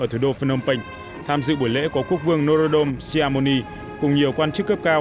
ở thủ đô phnom penh tham dự buổi lễ có quốc vương norodom siamoni cùng nhiều quan chức cấp cao